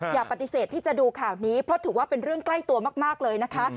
อย่าปฏิเสธที่จะดูข่าวนี้เพราะถือว่าเป็นเรื่องใกล้ตัวมากเลยนะคะ